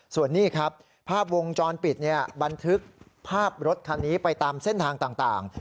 ส่วนนี้ครับภาพวงจรปิดบันทึกภาพรถคันนี้ไปตามเส้นทางต่าง